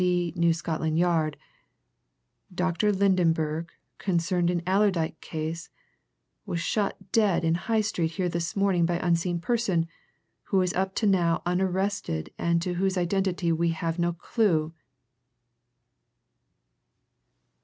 D., New Scotland Yard_. Dr. Lydenberg, concerned in Allerdyke case, was shot dead in High Street here this morning by unseen person, who is up to now unarrested and to whose identity we have no clue.